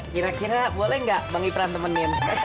kira kira boleh nggak bang ipran temenin